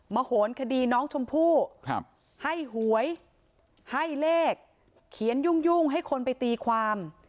โหนคดีน้องชมพู่ให้หวยให้เลขเขียนยุ่งให้คนไปตีความ